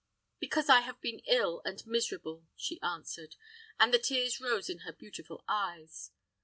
"Because I have been ill and miserable," she answered; and the tears rose in her beautiful eyes.